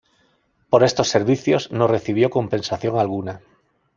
Por estos servicios no recibió compensación alguna.